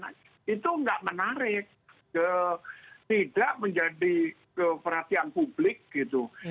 nah jadi salah satu reformasi yang terjadi adalah reformasi kesehatan